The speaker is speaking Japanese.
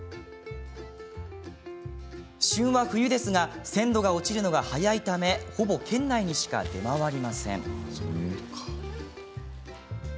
旬は冬ですが鮮度が落ちるのが早いためほぼ県内にしか出回りません。